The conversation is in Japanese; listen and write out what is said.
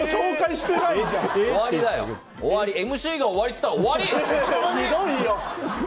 ＭＣが終わりって言ったら終わり！